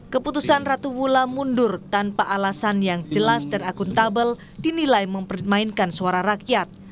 keputusan ratu wulan mundur tanpa alasan yang jelas dan akuntabel dinilai mempermainkan suara rakyat